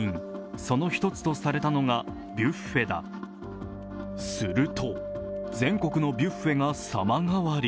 その１つとされたのがビュッフェだすると、全国のビュッフェが様変わり。